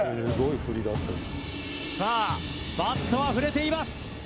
さあバットは振れています。